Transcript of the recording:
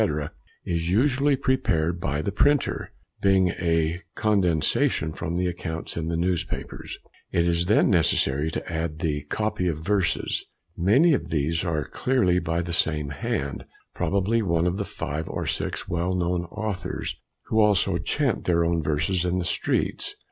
is usually prepared by the printer, being a condensation from the accounts in the newspapers. It is then necessary to add the "copy of verses." Many of these are clearly by the same hand, probably one of the five or six well known authors, who also chaunt their own verses in the streets.